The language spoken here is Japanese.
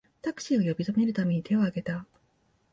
タクシーを呼び止めるために手をあげた